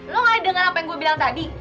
lo gak ada dengar apa yang gue bilang tadi